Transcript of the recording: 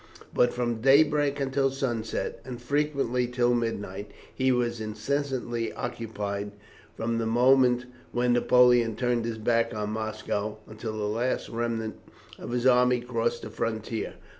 But from daybreak until sunset, and frequently till midnight, he was incessantly occupied, from the moment when Napoleon turned his back on Moscow, until the last remnant of his army crossed the frontier.